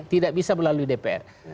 tidak bisa melalui dpr